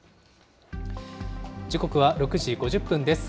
時刻は６時５０分です。